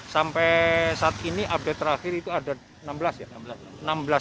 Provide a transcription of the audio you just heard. sampai saat ini update terakhir itu ada enam belas ya